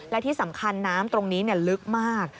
และที่สำคัญน้ำตรงนี้ลึกมาก